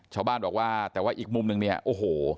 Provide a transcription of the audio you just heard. ชาวบ้านบอกว่าแต่ว่าอีกมุมนึงเนี่ยโอ้โห